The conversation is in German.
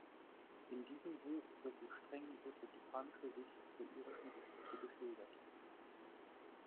In diesem Buch wird die streng republikanische Sicht der irischen Geschichte geschildert.